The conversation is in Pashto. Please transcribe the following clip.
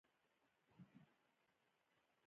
مکافات څنګه مامور هڅوي؟